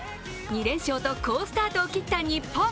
２連勝と好スタートを切った日本。